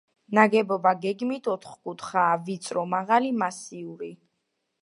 ნაგებობა გეგმით ოთკუთხაა, ვიწრო, მაღალი, მასიური.